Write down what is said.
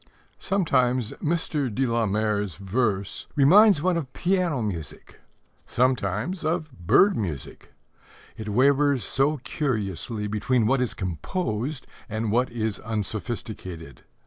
Sometimes Mr. de la Mare's verse reminds one of piano music, sometimes of bird music: it wavers so curiously between what is composed and what is unsophisticated.